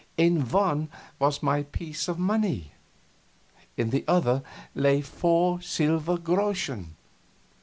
In one was my piece of money, in the other lay four silver groschen.